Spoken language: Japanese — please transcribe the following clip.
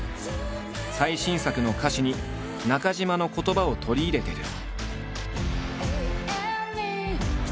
最新作の歌詞に中島の言葉を取り入れている。